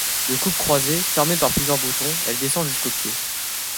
De coupe croisée, fermée par plusieurs boutons, elle descend jusqu'aux pieds.